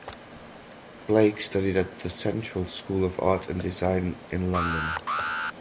Blake studied at the Central School of Art and Design in London.